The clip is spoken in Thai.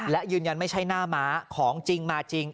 และยืนยันไม่ใช่หน้าม้าของจริงมาจริง